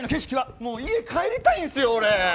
もう家帰りたいんですよ、俺。